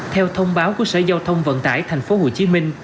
theo thông báo của sở giao thông vận tải tp hcm